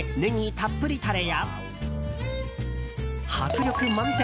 たっぷりたれや迫力満点！